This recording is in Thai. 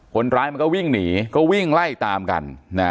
คนร้ายมันก็วิ่งหนีก็วิ่งไล่ตามกัน